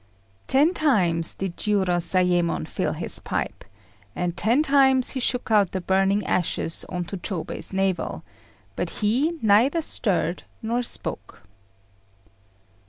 Ten times did Jiurozayémon fill his pipe, and ten times he shook out the burning ashes on to Chôbei's navel; but he neither stirred nor spoke.